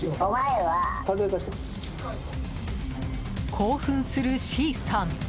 興奮するＣさん。